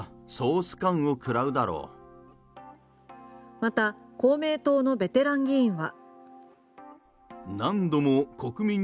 また公明党のベテラン議員は。